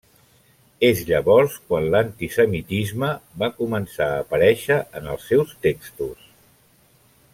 És llavors quan l'antisemitisme va començar a aparéixer en els seus textos.